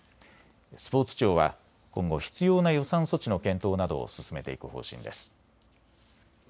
スポーツ庁は今後、必要な予算措置の検討などを進めていく方針です。